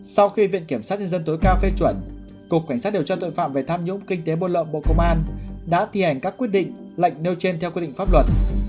sau khi viện kiểm sát nhân dân tối cao phê chuẩn cục cảnh sát điều tra tội phạm về tham nhũng kinh tế buôn lậu bộ công an đã thi hành các quyết định lệnh nêu trên theo quy định pháp luật